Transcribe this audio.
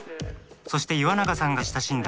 そして岩永さんが親しんだ